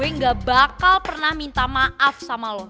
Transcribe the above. nggak bakal pernah minta maaf sama kamu